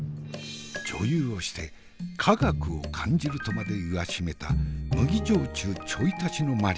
女優をして「科学を感じる」とまで言わしめた麦焼酎ちょい足しのマリアージュ。